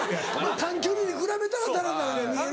短距離に比べたらダラダラに見える。